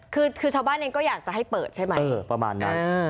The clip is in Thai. คือชาวบ้านเองก็อยากจะให้เปิดใช่ไหมอืมประมาณนั้นอ่าอืม